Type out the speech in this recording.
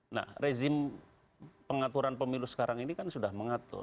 nah rezim pengaturan pemilu sekarang ini kan sudah mengatur